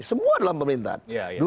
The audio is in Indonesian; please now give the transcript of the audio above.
semua dalam pemerintahan